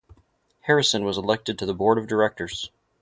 Harrison was elected to the board of directors.